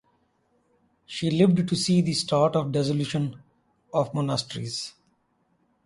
She lived to see the start of the Dissolution of the Monasteries.